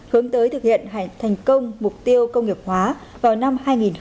hướng tới thực hiện thành công mục tiêu công nghiệp hóa vào năm hai nghìn ba mươi